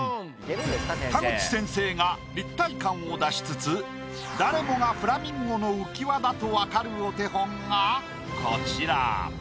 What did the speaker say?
田口先生が立体感を出しつつ誰もがフラミンゴの浮き輪だとわかるお手本がこちら。